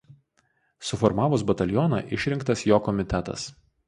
Suformavus batalioną išrinktas jo komitetas.